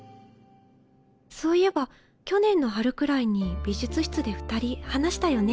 そういえば去年の春くらいに美術室で二人話したよね。